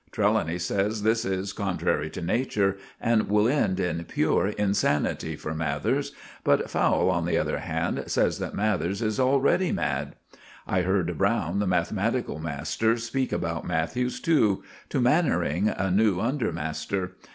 Trelawny says this is contrary to nature, and will end in pure insanity for Mathers; but Fowle, on the other hand, says that Mathers is already mad. I heard Browne, the mathematical master, speak about Mathers too—to Mannering, a new under master.